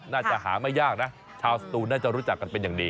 น่าจะหาไม่ยากนะชาวสตูนน่าจะรู้จักกันเป็นอย่างดี